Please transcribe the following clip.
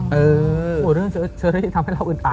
หมดเรื่องเชิญอะไรที่ทำให้เราอึดตัด